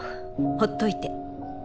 ほっといて。